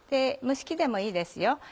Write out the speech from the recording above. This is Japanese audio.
蒸し器でもいいですよ。